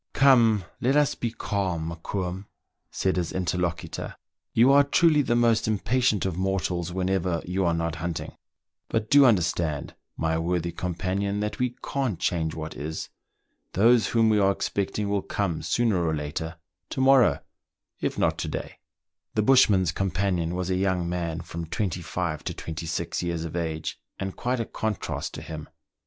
Come, let's be calm, Mokoum," said his interlocutor. "You are truly the most impatient of mortals whenever you are not hunting ; but do understand, my worthy com panion, that we can't change what is. Those whom we are expecting will come sooner or later — to morrow, it not to day." The bushman's companion was a young man, from twenty five to twenty six years of age, and quite a contrast to him.